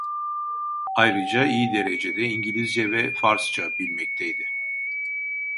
Ayrıca iyi derecede İngilizce ve Farsça bilmekteydi.